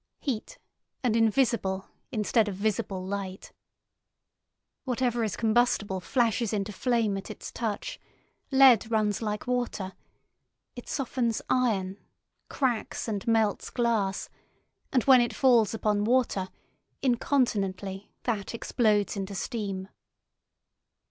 Heat, and invisible, instead of visible, light. Whatever is combustible flashes into flame at its touch, lead runs like water, it softens iron, cracks and melts glass, and when it falls upon water, incontinently that explodes into steam.